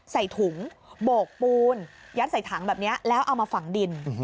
ใส่ถุงโบกปูนยัดใส่ถังแบบนี้แล้วเอามาฝังดิน